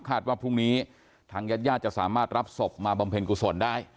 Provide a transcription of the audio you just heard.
ว่าพรุ่งนี้ทางญาติญาติจะสามารถรับศพมาบำเพ็ญกุศลได้